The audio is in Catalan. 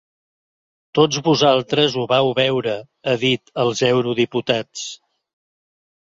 Tots vosaltres ho vau veure, ha dit als eurodiputats.